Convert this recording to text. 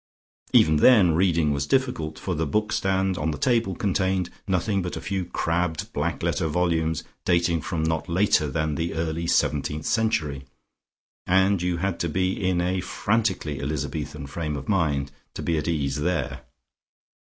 Even then reading was difficult, for the book stand on the table contained nothing but a few crabbed black letter volumes dating from not later than the early seventeenth century, and you had to be in a frantically Elizabethan frame of mind to be at ease there.